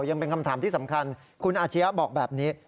ยังเป็นคำถามที่สำคัญคุณอาชียะบอกแบบนี้